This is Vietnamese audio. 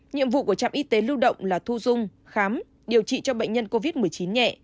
nhiệm vụ của trạm y tế lưu động là thu dung khám điều trị cho bệnh nhân covid một mươi chín nhẹ